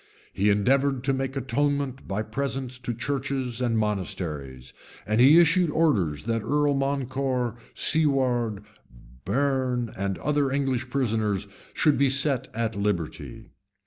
He endeavored to make atonement by presents to churches and monasteries; and he issued orders that Earl Morcar, Siward, Bearne, and other English prisoners, should be set at liberty.